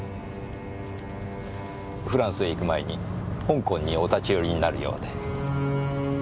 フランスへ行く前に香港にお立ち寄りになるようで。